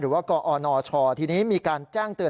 หรือว่ากรออนอชอที่นี้มีการแจ้งเตือน